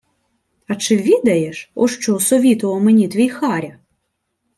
— А чи відаєш, о що совітував мені твій Харя?!